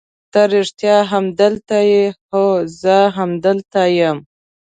ته رښتیا هم دلته یې؟ هو زه همدلته یم.